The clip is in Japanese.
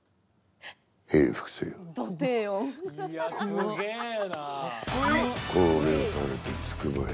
すげえなあ！